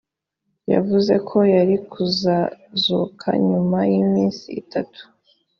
yavuze ko yari kuzazuka nyuma y iminsi itatu